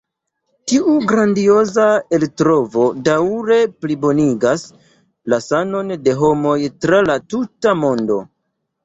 Tiu grandioza eltrovo daŭre plibonigas la sanon de homoj tra la tuta mondo.